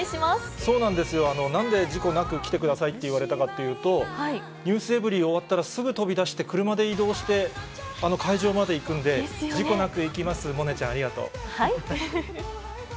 そうなんですよ、なんで事故なく来てくださいと言われたかというと、ｎｅｗｓｅｖｅｒｙ．終わったら、すぐ飛び出して車で移動して、会場まで行くんで、事故なく行きます、萌音ちゃん、ありがとう。